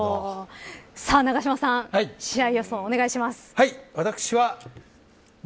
永島さん試合予想、お願いします。